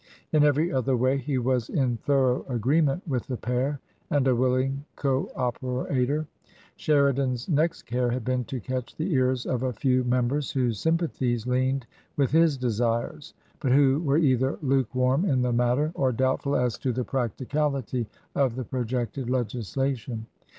In every other way he was in thorough agree ment with the pair and a willing co operator. Sheri dan's next care had been to catch the ears of a few mem bers whose sympathies leaned with his desires, but who were either lukewarm in the matter, or doubtful as to the practicality of the projected legislation.